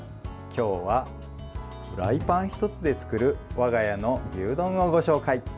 今日はフライパン１つで作る我が家の牛丼をご紹介。